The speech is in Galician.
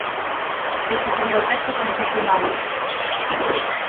Este sería o texto transaccionado.